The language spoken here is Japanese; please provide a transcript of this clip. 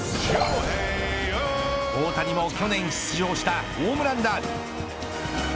大谷も去年出場したホームランダービー。